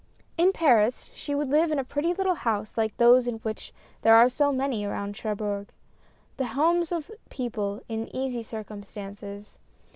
In Paris, she would live in a pretty little house like those of which there are many around Cherbourg — the homes of people in easy circumstances.